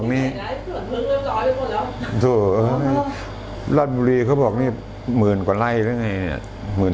นี่ไหนไล้เพื่อเฟื้องเลือดรอยไม่ได้หมดเหรอ